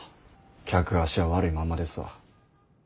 客足は悪いまんまですわ。